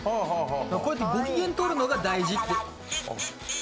こうやってご機嫌とるのが大事って。